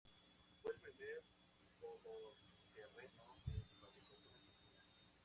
Fue el primer todoterreno de fabricación argentina.